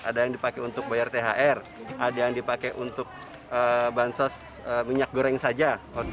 ada yang dipakai untuk bayar thr ada yang dipakai untuk bansos minyak goreng saja